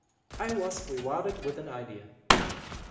I was rewarded with an idea.